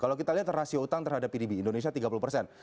kalau kita lihat rasio utang terhadap pdb indonesia tiga puluh persen